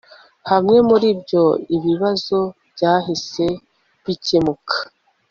hamwe muri byo ibibazo byahise bikemuka